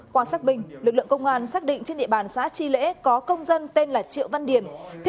qua xác minh lực lượng công an xác định trên địa bàn xã tri lễ có công dân tên là triệu văn điểm